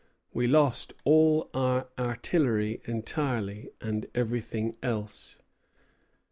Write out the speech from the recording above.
We lost all our artillery entirely, and everything else.